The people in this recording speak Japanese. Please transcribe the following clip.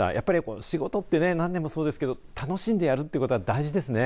仕事でも何でもそうですけど楽しんでやることは大事ですね。